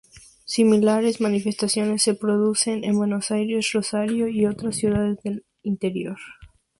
Similares manifestaciones se reproducen en Buenos Aires, Rosario y otras ciudades del interior.